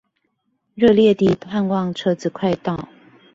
熱烈地盼望車子快到